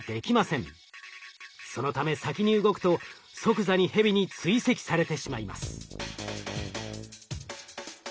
そのため先に動くと即座にヘビに追跡されてしまいます。